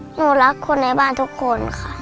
หนูรักคนในบ้านทุกคนค่ะ